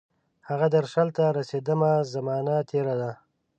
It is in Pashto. هغه درشل ته رسیدمه، زمانه تیره ده